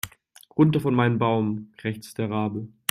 Runter von meinem Baum, krächzte der Rabe.